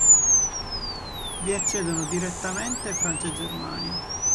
Vi accedono direttamente Francia e Germania.